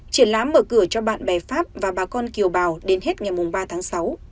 triển lãm mở cửa cho bạn bè pháp và bà con kiều bào đến hết ngày ba tháng sáu